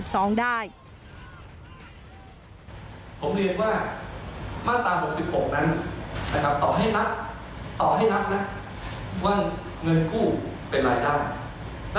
ผมเรียกว่ามาตรา๖๖นะครับ